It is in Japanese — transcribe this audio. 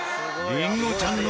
りんごちゃんの。